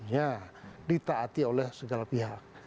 ya ditaati oleh segala pihak